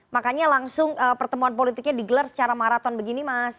makanya langsung pertemuan politiknya digelar secara maraton begini mas